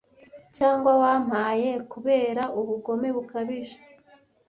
cyangwa wampaye kubera ubugome bukabije